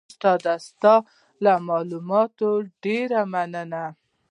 استاده ستاسو له معلوماتو ډیره مننه